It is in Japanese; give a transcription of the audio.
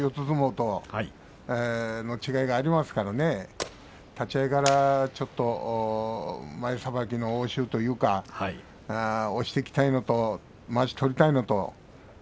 相撲と違いはありますけれども立ち合いから前さばきの応酬というか押していきたいのとまわし取りたいのと。